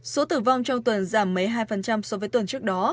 số tử vong trong tuần giảm mấy hai so với tuần trước đó